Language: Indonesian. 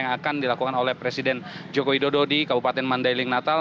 yang akan dilakukan oleh presiden joko widodo di kabupaten mandailing natal